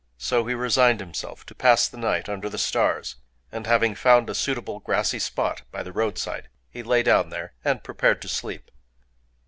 So he resigned himself to pass the night under the stars; and having found a suitable grassy spot, by the roadside, he lay down there, and prepared to sleep.